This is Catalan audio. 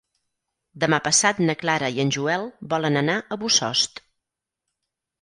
Demà passat na Clara i en Joel volen anar a Bossòst.